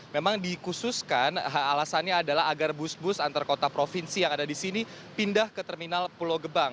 memang dikhususkan alasannya adalah agar bus bus antar kota provinsi yang ada di sini pindah ke terminal pulau gebang